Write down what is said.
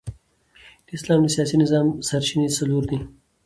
د اسلام د سیاسي نظام سرچینې څلور دي.